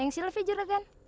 yang sylvie juragan